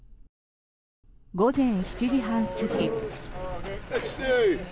午前７時半過ぎ。